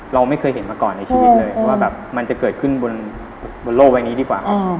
เราไม่เคยเห็นมาก่อนในชีวิตเลยว่าแบบมันจะเกิดขึ้นบนโลกใบนี้ดีกว่าครับ